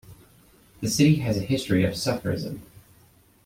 The City has a history of Sufism.